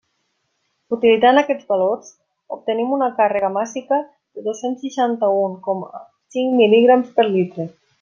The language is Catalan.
Utilitzant aquests valors obtenim una càrrega màssica de dos-cents seixanta-un coma cinc mil·ligrams per litre.